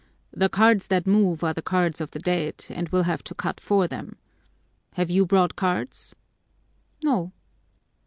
The cards that move are the cards of the dead and we'll have to cut for them. Have you brought cards?" "No."